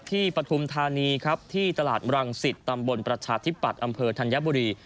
ปฐุมธานีครับที่ตลาดรังสิตตำบลประชาธิปัตย์อำเภอธัญบุรี